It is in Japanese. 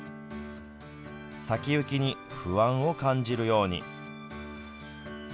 先行きに不安を感じるように。